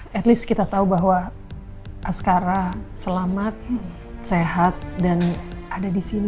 at least kita tahu bahwa askara selamat sehat dan ada di sini